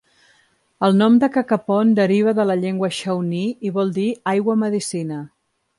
El nom de Cacapon deriva de la llengua shawnee i vol dir "aigua medicina".